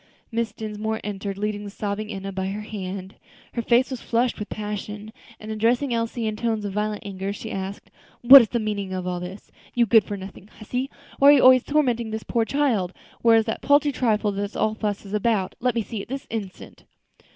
Mrs. Dinsmore entered, leading the sobbing Enna by the hand; her face was flushed with passion, and addressing Elsie in tones of violent anger, she asked, "What is the meaning of all this, you good for nothing hussy? Why are you always tormenting this poor child? Where is that paltry trifle that all this fuss is about? let me see it this instant."